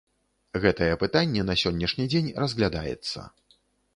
Гэтае пытанне на сённяшні дзень разглядаецца.